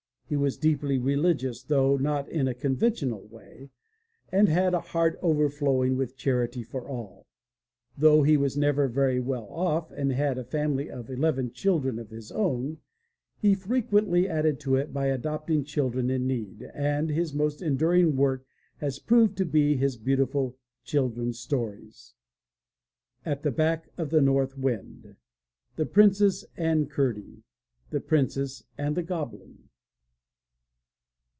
He was deeply religious, though not in the conventional way, and had a heart overflowing with charity for all. Though he was never very well off and had a family of eleven children of his own, he frequently added to it by adopting children in need, and his most enduring work has proved to be his beautiful children's stories. At the Back oj the North Wind. The Princess and Curdie. The Princess and the Goblin.